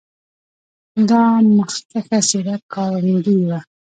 دا مخکښه څېره کارنګي و.